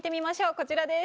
こちらです。